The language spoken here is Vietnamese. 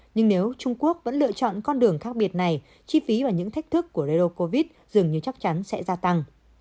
nhưng nếu trung quốc vẫn lựa chọn con đường khác biệt này chi phí và những thách thức của redo covid dường như chắc chắn sẽ gia tăng